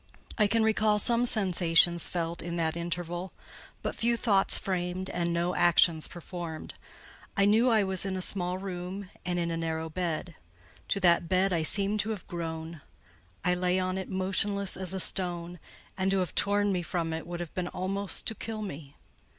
I can recall some sensations felt in that interval; but few thoughts framed, and no actions performed. I knew I was in a small room and in a narrow bed. To that bed I seemed to have grown; I lay on it motionless as a stone; and to have torn me from it would have been almost to kill me.